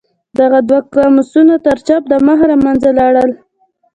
دغه دوه قاموسونه تر چاپ د مخه له منځه لاړل.